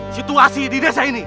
situasi di desa ini